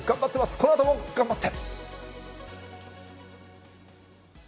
このあとも頑張って。